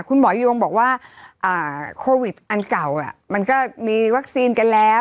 โยงบอกว่าโควิดอันเก่ามันก็มีวัคซีนกันแล้ว